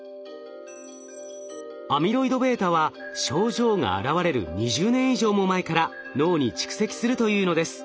アミロイドβは症状が現れる２０年以上も前から脳に蓄積するというのです。